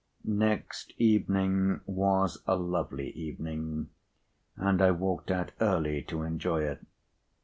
Next evening was a lovely evening, and I walked out early to enjoy it.